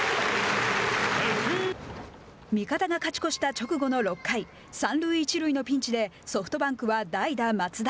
味方が勝ち越した直後の６回三塁一塁のピンチでソフトバンクは代打松田。